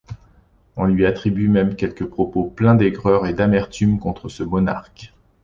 On lui attribue même quelques propos pleins d'aigreur et d'amertume contre ce monarque.